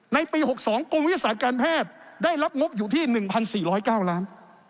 ในปี๖๒กรมวิทยาศาสตร์การแพทย์ได้รับงบอยู่ที่๑๔๐๙ล้าน